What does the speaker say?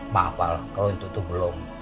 maaf kalau itu tuh belum